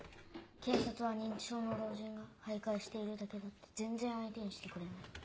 警察は認知症の老人が徘徊しているだけだって全然相手にしてくれない。